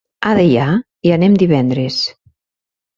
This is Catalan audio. A Deià hi anem divendres.